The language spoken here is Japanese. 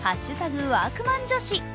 ワークマン女子。